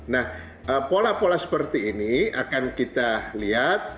nah pola pola seperti ini akan kita lihat